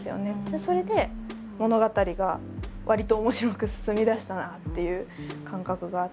それで物語がわりと面白く進みだしたなっていう感覚があって。